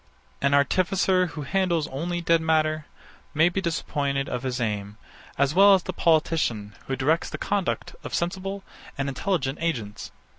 An artificer, who handles only dead matter, may be disappointed of his aim, as well as the politician, who directs the conduct of sensible and intelligent agents.